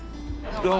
どうも。